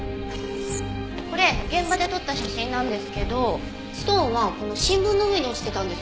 これ現場で撮った写真なんですけどストーンはこの新聞の上に落ちてたんです。